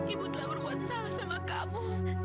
ibu telah membuat salah dengan kamu